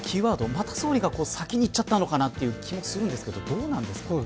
また総理が先に言っちゃったのかという気もしますがどうなんですか。